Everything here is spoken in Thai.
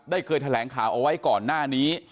เคยแถลงข่าวเอาไว้ก่อนหน้านี้